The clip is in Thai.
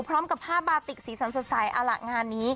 พร้อมกับผ้าบาติกสีสันสดใสเอาล่ะงานนี้